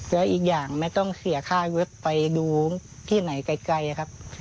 แล้วอีกอย่างไม่ต้องเสียค่าเว็บไปดูที่ไหนไกลครับ